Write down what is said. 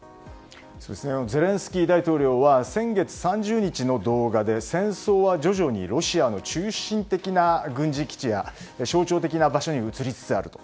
ゼレンスキー大統領は先月３０日の動画で戦争は徐々にロシアの中心的な軍事基地や象徴的な場所に移りつつあると。